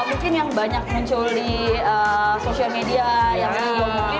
mungkin yang banyak muncul di sosial media yang mungkin